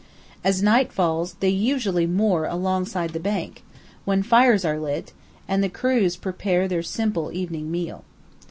As night falls, they usually moor alongside the bank, when fires are lit, and the crews prepare their simple evening meal.